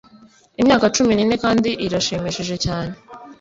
imyaka cumi nine kandi irashimishije cyane